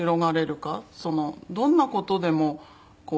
どんな事でもこう。